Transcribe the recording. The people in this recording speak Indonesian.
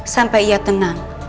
sampai ia tenang